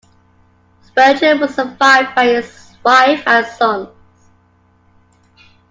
Spurgeon was survived by his wife and sons.